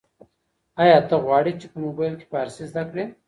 ایا ته غواړې چي په موبایل کي فارسي زده کړې؟